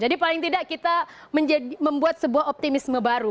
jadi paling tidak kita membuat sebuah optimisme baru